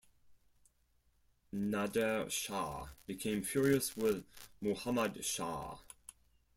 Nader Shah became furious with Muhammad Shah.